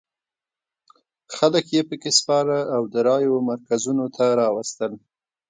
خلک یې په کې سپاره او د رایو مرکزونو ته راوستل.